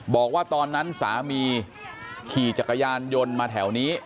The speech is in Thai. บอกว่าตอนนั้นสามีขี่จักรยานยนต์มาแถวนี้